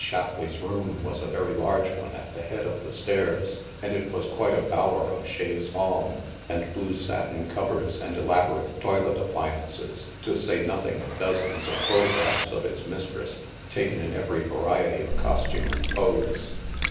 Shap leigh's room was a very large one at the head of the stairs, and it was quite a bower of chaises tongues and blue satin covers and elaborate toilet appliances, to say nothing of dozens of photographs of its mistress, taken in every variety of costume and pose.